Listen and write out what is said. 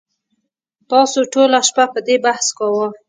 تاسو ټوله شپه په دې بحث کاوه